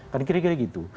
kan kira kira gitu